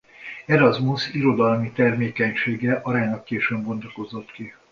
Erasmus irodalmi termékenysége aránylag későn bontakozott ki.